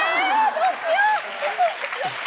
どうしよ。